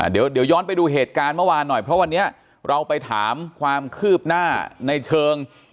เดี๋ยวย้อนไปดูเหตุการณ์เมื่อวานหน่อยเพราะวันนี้เราไปถามความคืบหน้าในเชิง